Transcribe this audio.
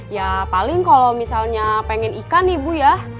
ya paling kalau misalnya pengen ikan nih bu